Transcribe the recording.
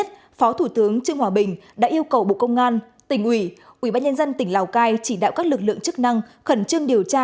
tỉnh uỷ ubnd tỉnh lào cai chỉ đạo các lực lượng chức năng khẩn trương điều tra